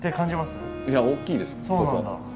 いや大きいです。